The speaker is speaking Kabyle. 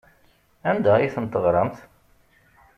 Anda ay ten-teɣramt?